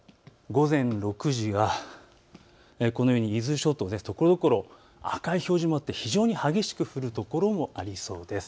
午前６時、伊豆諸島、ところどころ赤い表示になって非常に激しく降る所もありそうです。